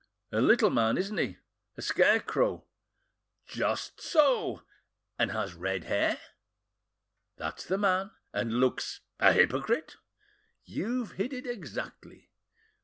A little man, isn't he?—a scarecrow?" "Just SO." "And has red hair?" "That's the man." "And looks a hypocrite?" "You've hit it exactly."